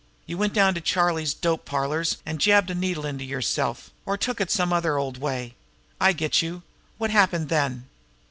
You went down to Charlie's dope parlors, and jabbed a needle into yourself, or took it some other old way. I get you! What happened then?"